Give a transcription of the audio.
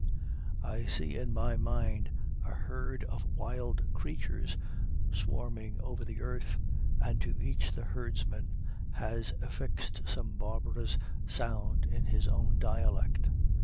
I see in my mind a herd of wild creatures swarming over the earth, and to each the herdsman has affixed some barbarous sound in his own dialect.